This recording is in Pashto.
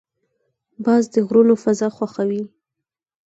باز د غرونو فضا خوښوي